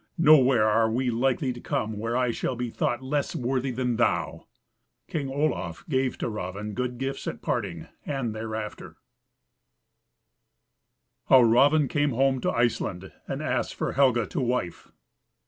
Nowhere are we likely to come where I shall be thought less worthy than thou." King Olaf gave to Raven good gifts at parting, and thereafter. CHAPTER X. How Raven came home to Iceland, and asked for Helga to Wife.